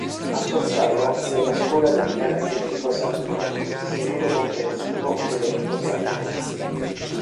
A Fossano vi è una scuola dedicata a Federico Sacco: Istituto Comprensivo "Federico Sacco".